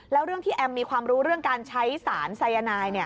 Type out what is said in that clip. แล้วเรื่องที่แอมมีความรู้เรื่องการใช้สารสายนาย